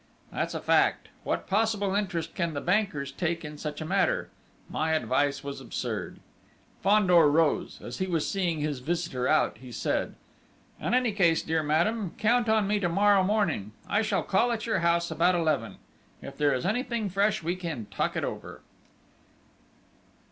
"That's a fact. What possible interest can the bankers take in such a matter?... My advice was absurd!" Fandor rose. As he was seeing his visitor out, he said: "In any case, dear madame, count on me to morrow morning. I shall call at your house about eleven. If there is anything fresh, we can talk it over!..."